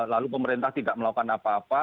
lalu pemerintah tidak melakukan apa apa